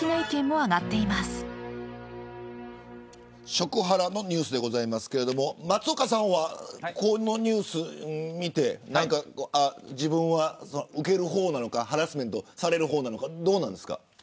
食ハラのニュースでございますけど、松岡さんはこのニュースを見て何か自分は受ける方なのかハラスメントされる方なのかどうですか。